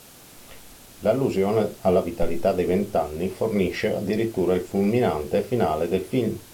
L’allusione alla vitalità dei vent’anni fornisce addirittura il fulminante finale del film.